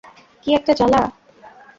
কি একটা জ্বালা!